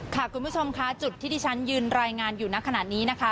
คุณผู้ชมค่ะจุดที่ที่ฉันยืนรายงานอยู่ในขณะนี้นะคะ